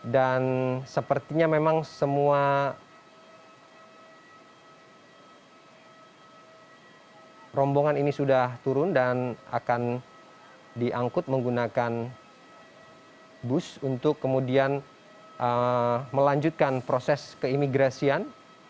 dan sepertinya memang semua rombongan ini sudah turun dan akan diangkut menggunakan bus untuk kemudian melanjutkan proses keimigrasian